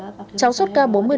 ban đầu sina chỉ ho sổ mũi và sốt